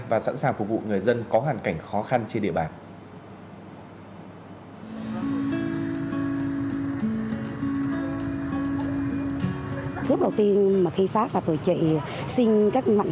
và sẵn sàng phục vụ người dân có hoàn cảnh khó khăn trên địa bàn